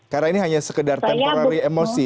karena ini hanya sekedar temporary emosi